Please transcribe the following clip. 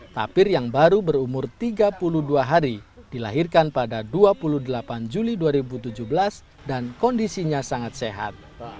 tapir yang baru berumur tiga puluh dua hari dilahirkan pada dua puluh delapan juli dua ribu tujuh belas dan kondisinya sangat sehat